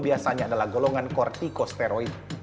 biasanya adalah golongan kortikosteroid